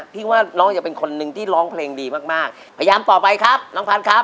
พี่ว่าน้องจะเป็นคนหนึ่งที่ร้องเพลงดีมากมากพยายามต่อไปครับน้องพันธ์ครับ